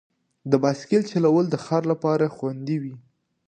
د بایسکل چلول د ښار لپاره خوندي وي.